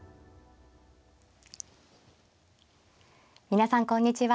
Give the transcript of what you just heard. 皆さんこんにちは。